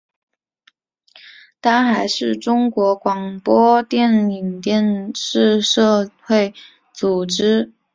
他还是中国广播电影电视社会组织联合会演员委员会副会长。